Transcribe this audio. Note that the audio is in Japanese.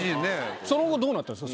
その後どうなったんですか？